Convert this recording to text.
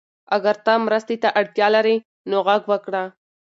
اگر ته مرستې ته اړتیا لرې نو غږ وکړه.